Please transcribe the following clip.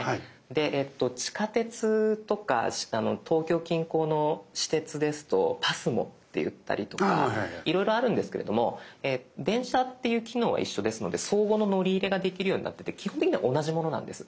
で地下鉄とか東京近郊の私鉄ですとＰＡＳＭＯっていったりとかいろいろあるんですけれども電車っていう機能は一緒ですので相互の乗り入れができるようになってて基本的には同じものなんです。